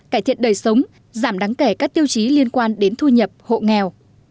cải thiện đời sống giảm đáng kể các tiêu chí liên quan đến thu nhập hộ nghèo